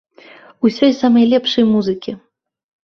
Усёй самай лепшай музыкі!